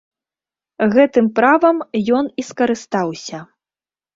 Гэтым правам ён і скарыстаўся.